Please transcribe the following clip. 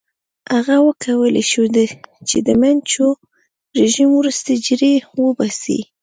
هغه وکولای شو چې د منچو رژیم ورستۍ جرړې وباسي.